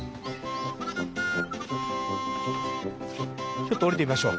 ちょっと下りてみましょう。